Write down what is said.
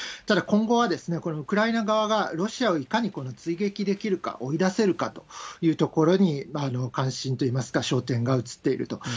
ただ、今後はこれ、ウクライナ側がロシアをいかに追撃できるか、追い出せるかというところに、関心といいますか、焦点が移っていると。